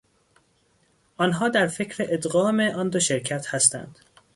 آنها در فکر ادغام آن دو شرکت هستند.